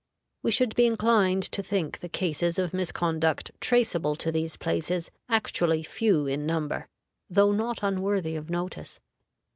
We should be inclined to think the cases of misconduct traceable to these places actually few in number, though not unworthy of notice.